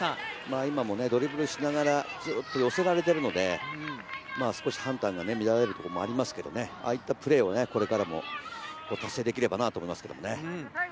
今もドリブルしながら寄せられているので、少し判断が乱れるところもありますけどね、ああいったプレーをこれからも達成できればなと思いますけどね。